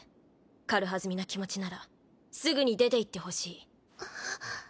軽はずみな気持ちならすぐに出ていってほしいあっ